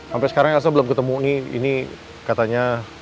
sampai sekarang elsa belum ketemu nih ini katanya